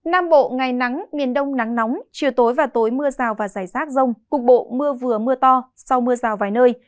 nam bộ ngày nắng miền đông nắng nóng chiều tối và tối mưa rào và rải rác rông cục bộ mưa vừa mưa to sau mưa rào vài nơi